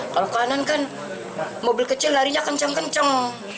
kalau kanan kan mobil kecil larinya kencang kencang